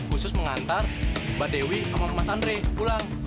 khusus mengantar mbak dewi sama mas andre pulang